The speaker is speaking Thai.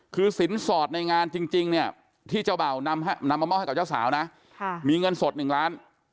คือสินสอดในงานจริงที่เจ้าเบ่านำมะเต้าให้กับเจ้าสาวนะค่ะมีเงินสดหนึ่งล้าน